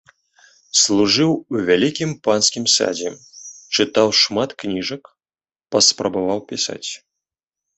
Служыў у вялікім панскім садзе, чытаў шмат кніжак, паспрабаваў пісаць.